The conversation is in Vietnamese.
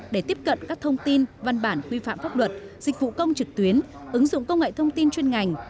để tiếp cận các thông tin văn bản quy phạm pháp luật dịch vụ công trực tuyến ứng dụng công nghệ thông tin chuyên ngành